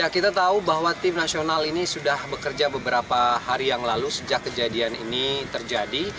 kita tahu bahwa tim nasional ini sudah bekerja beberapa hari yang lalu sejak kejadian ini terjadi